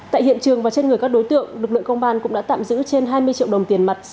tại hiện trường và trên người các đối tượng lực lượng công an cũng đã tạm giữ trên hai mươi triệu đồng tiền mặt